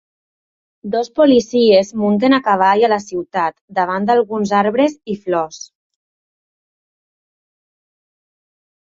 Dos policies munten a cavall a la ciutat davant d'alguns arbres i flors.